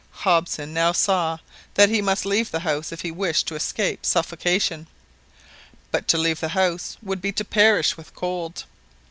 Hobson now saw that he must leave the house if he wished to escape suffocation, but to leave the house would be to perish with cold.